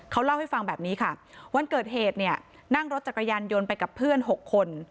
เขาเล่าให้ฟังแบบนี้ค่ะวันเกิดเหตุเนี่ยนั่งรถจักรยานยนต์ไปกับเพื่อน๖คน